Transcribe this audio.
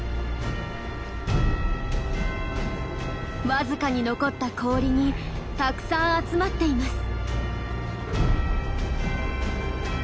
わずかに残った氷にたくさん集まっています。